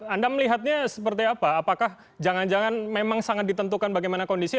anda melihatnya seperti apa apakah jangan jangan memang sangat ditentukan bagaimana kondisi